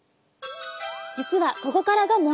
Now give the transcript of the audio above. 実はここからが問題。